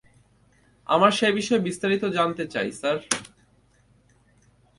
আমার সে বিষয়ে বিস্তারিত জানতে চাই, স্যার।